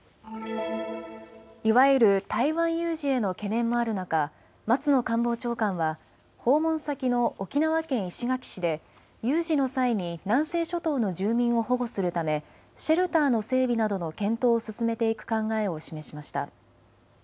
いわゆる台湾有事への懸念もある中、松野官房長官は訪問先の沖縄県石垣市で有事の際に南西諸島の住民を保護するためシェルターの整備などの検討を進めていく考えを示しました。